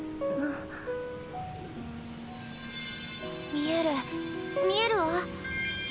見える見えるわ。